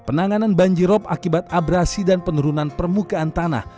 penanganan banjirop akibat abrasi dan penurunan permukaan tanah